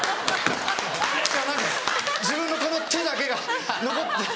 何か自分のこの手だけが残って。